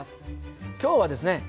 今日はですね